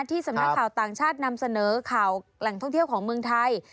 สำนักข่าวต่างชาตินำเสนอข่าวแหล่งท่องเที่ยวของเมืองไทย